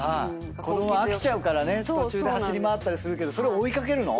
子供飽きちゃうからね途中で走り回ったりするけどそれ追い掛けるの？